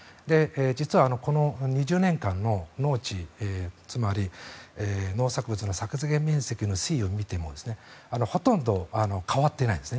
実はこの２０年間の農地つまり農作物の作付面積の推移を見てもほとんど変わっていないんです。